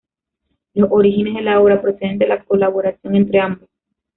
Los orígenes de la obra proceden de la colaboración entre ambos.